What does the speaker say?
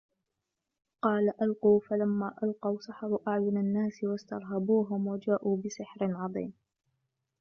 قَالَ أَلْقُوا فَلَمَّا أَلْقَوْا سَحَرُوا أَعْيُنَ النَّاسِ وَاسْتَرْهَبُوهُمْ وَجَاءُوا بِسِحْرٍ عَظِيمٍ